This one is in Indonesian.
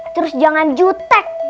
terus jangan jutek